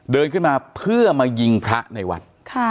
เดินขึ้นมาเพื่อมายิงพระในวัด